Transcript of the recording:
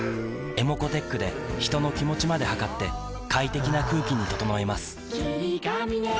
ｅｍｏｃｏーｔｅｃｈで人の気持ちまで測って快適な空気に整えます